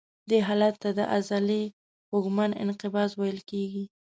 دې حالت ته د عضلې خوږمن انقباض ویل کېږي.